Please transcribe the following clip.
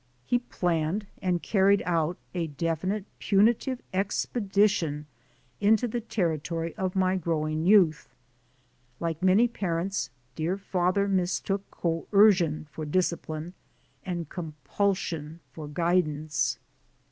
He planned and carried out a definite puni tive expedition into the territory of my growing youth. Like many parents, dear father mistook coercion for discipline and compulsion for guidance.